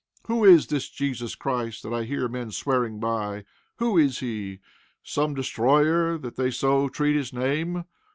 Who is this Jesus Christ that I hear men swearing by? Who is he? Some destroyer, that they so treat his name?